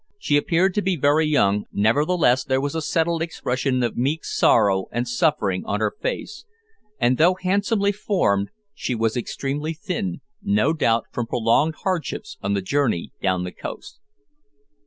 She appeared to be very young, nevertheless there was a settled expression of meek sorrow and suffering on her face; and though handsomely formed, she was extremely thin, no doubt from prolonged hardships on the journey down to the coast.